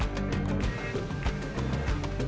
seperti menari di atas ombak